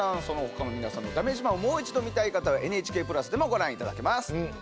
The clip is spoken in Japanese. そのほかの皆さんのだめ自慢をもう一度見たい方はＮＨＫプラスでもご覧いただけます。